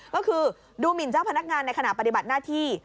ก็คือดูหมินเจ้าพนักงานในขณะปฏิบัติหน้าที่